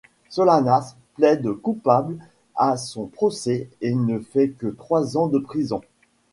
Solanas plaide coupable à son procès et ne fait que trois ans de prison.